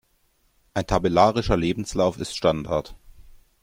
Ein tabellarischer Lebenslauf ist Standard.